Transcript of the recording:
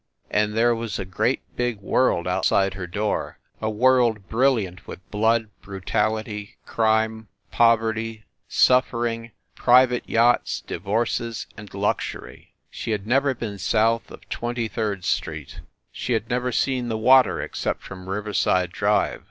And there was a great big world outside her door a world brilliant with blood, bru io6 FIND THE WOMAN tality, crime, poverty, suffering, private yachts, di vorces and luxury. She had never been south of Twenty third Street. She had never seen the water except from Riverside Drive.